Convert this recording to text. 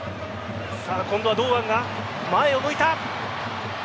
今度は堂安が前を向いた。